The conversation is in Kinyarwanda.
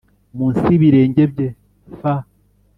munsi y ibirenge bye f